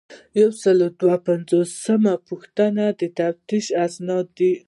یو سل او دوه پنځوسمه پوښتنه تقنیني اسناد دي.